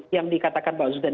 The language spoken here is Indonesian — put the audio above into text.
yang dikatakan pak uzdan